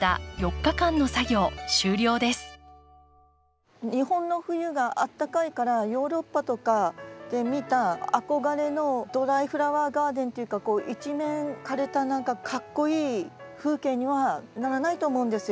日本の冬があったかいからヨーロッパとかで見た憧れのドライフラワーガーデンっていうか一面枯れた何かかっこいい風景にはならないと思うんですよ。